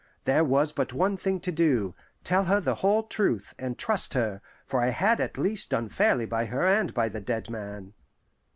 There was but one thing to do tell her the whole truth, and trust her; for I had at least done fairly by her and by the dead man.